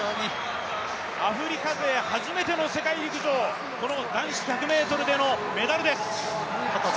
アフリカ勢初めての世界陸上、この男子１００ｍでのメダルです。